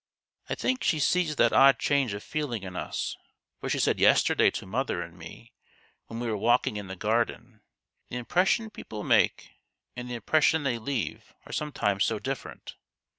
I think she sees that odd change of feeling in us, for she said yesterday to mother and me, when we were walking in the garden : 4 The impression people make and the impression they leave are sometimes so different